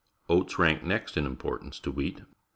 Oat s rank next in importance to wheat.